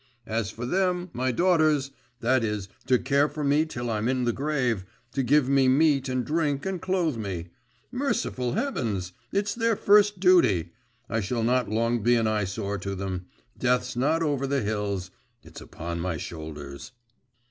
As for them, my daughters, that is, to care for me till I'm in the grave, to give me meat and drink, and clothe me.… Merciful heavens! it's their first duty. I shall not long be an eyesore to them. Death's not over the hills it's upon my shoulders.